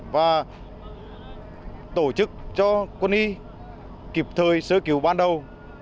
và tổ chức cho quân y kịp thời sơ cứu ban đầu